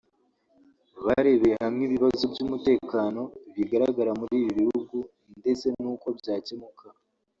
barebeye hamwe ibibazo by’umutekano bigaragara muri ibi bihugu ndetse n’uko byakemuka